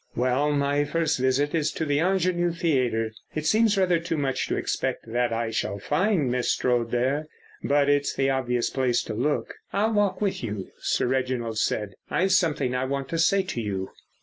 "Well, my first visit is to the Ingenue Theatre. It seems rather too much to expect that I shall find Miss Strode there, but it's the obvious place to look." "I'll walk with you," Sir Reginald said. "I've something I want to say to you."